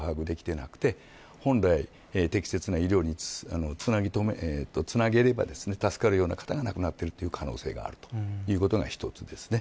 ですから全体像をきちんと把握できていなくて本来、適切な医療につなげれば助かるような方が亡くなっている可能性があるということが１つです。